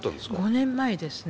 ５年前ですね。